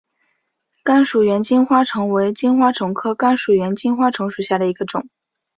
甘薯猿金花虫为金花虫科甘薯猿金花虫属下的一个种。